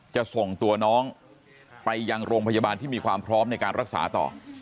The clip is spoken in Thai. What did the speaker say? จะส่งตัวน้องไปยังโรงพยาบาลที่มีความพร้อมในการรักษาต่อ